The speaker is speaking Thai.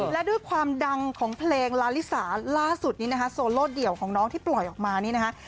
และด้วยความดังของเพลงลาลิสาล่าสุดนี้นะคะโซโลเดี่ยวของน้องที่ปล่อยออกมานี่นะคะ